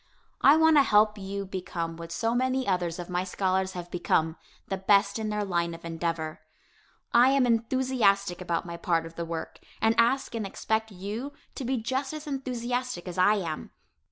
I want to help you become what so many others of my scholars have become, the best in their line of endeavor. I am enthusiastic about my part of the work, and ask and expect you to be just as enthusiastic as I am.